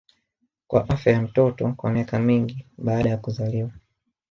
kwa afya ya mtoto kwa miaka mingi baada ya kuzaliwa